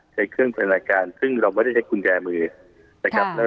ใช้เครื่องพัฒนาการซึ่งเราไม่ได้ใช้กุญแจมือนะครับ